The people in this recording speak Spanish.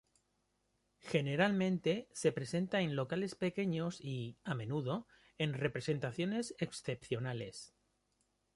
Generalmente se presenta en locales pequeños y, a menudo, en representaciones excepcionales.